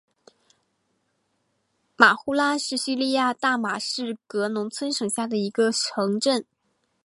马卢拉是叙利亚大马士革农村省下的一个城镇。